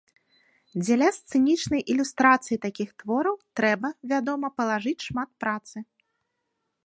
Дзеля сцэнічнай ілюстрацыі такіх твораў трэба, вядома, палажыць шмат працы.